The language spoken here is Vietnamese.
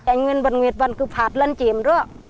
anh nguyễn văn nguyệt vẫn cứ phát lần chiếm rửa